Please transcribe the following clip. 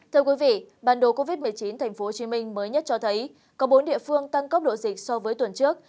thưa quý vị bản đồ covid một mươi chín tp hcm mới nhất cho thấy có bốn địa phương tăng tốc độ dịch so với tuần trước